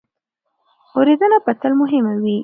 اورېدنه به تل مهمه وي.